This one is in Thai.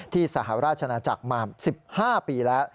สหราชนาจักรมา๑๕ปีแล้ว